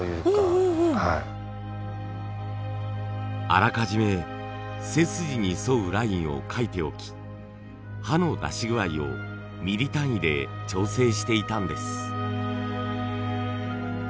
あらかじめ背筋に沿うラインを書いておき刃の出し具合をミリ単位で調整していたんです。